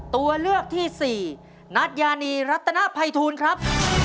ตัวเลือกที่สี่นัทยานีรัตนภัยทูลครับ